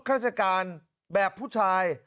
ราชการแบบผู้ชาย